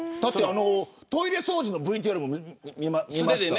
トイレ掃除のＶＴＲ見ました。